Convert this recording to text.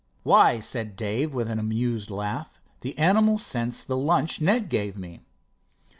"Why," said Dave with an amused laugh, "the animal scents the lunch Ned gave me."